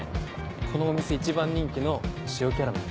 このお店一番人気の塩キャラメル。